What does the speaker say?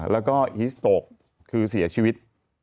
แล้วก็อีสโตกคือเสียชีวิต